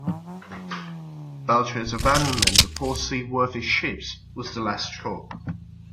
Belcher's abandonment of four seaworthy ships was the last straw.